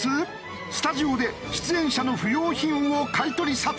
スタジオで出演者の不要品を買い取り査定！